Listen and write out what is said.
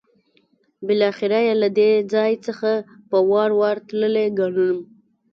بالاخره یې له دې ځای څخه په وار وار تللی ګڼم.